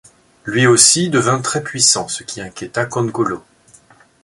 Lui aussi devint très puissant, ce qui inquiéta Kongolo.